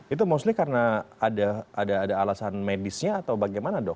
itu mostly karena ada alasan medisnya atau bagaimana dok